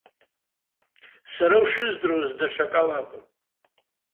Сара ушыздыруаз даҽакала акәын.